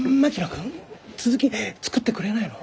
君続き作ってくれないの？